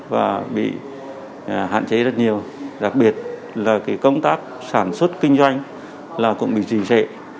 và bị hạn chế rất nhiều đặc biệt là công tác sản xuất kinh doanh là cũng bị dình trệ